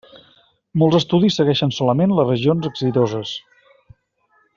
Molts estudis segueixen solament les regions exitoses.